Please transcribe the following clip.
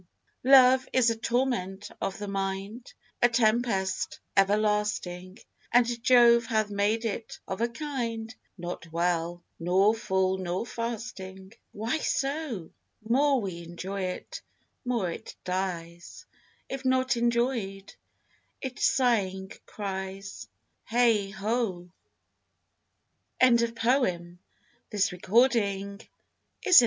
Love is a torment of the mind, A tempest everlasting; And Jove hath made it of a kind Not well, nor full nor fasting. Why so? More we enjoy it, more it dies, If not enjoyed, it sighing cries, Heigh ho! Samuel Daniel. THE PASSIONATE SHEPHERD TO HIS LOVE.